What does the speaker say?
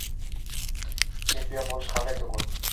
Chempion bo‘lish qanday tuyg‘u?